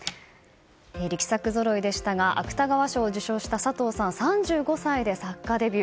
力作ぞろいでしたが芥川賞受賞した佐藤さんは３５歳で作家デビュー。